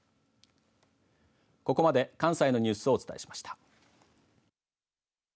ここまで関西のニュースをお伝えしました。